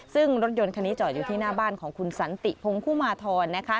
ซึ่งรถยนต์คันนี้จอดอยู่ที่หน้าบ้านของคุณสันติพงคุมาทรนะคะ